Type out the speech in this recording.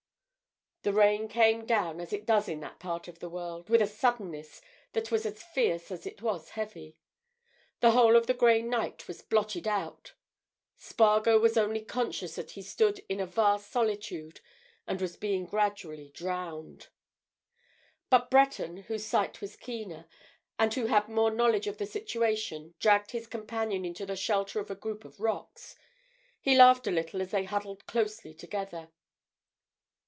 The rain came down as it does in that part of the world, with a suddenness that was as fierce as it was heavy. The whole of the grey night was blotted out; Spargo was only conscious that he stood in a vast solitude and was being gradually drowned. But Breton, whose sight was keener, and who had more knowledge of the situation dragged his companion into the shelter of a group of rocks. He laughed a little as they huddled closely together.